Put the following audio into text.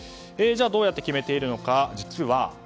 じゃあどうやって決めているのか。